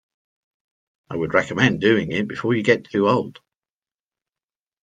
I would recommend doing it before you get too old.